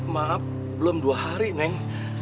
maaf belum dua hari neng